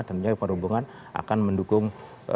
tentunya perhubungan akan mendukung